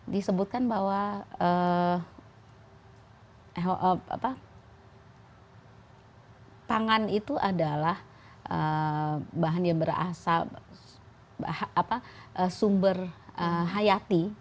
disebutkan bahwa pangan itu adalah bahan yang berasal sumber hayati